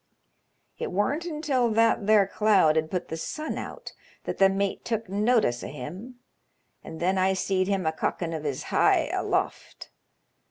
It worn't until tbat there cloud had put the sun out that the mate took notice o' him, and then I seed him a cockin' of his hye aloft.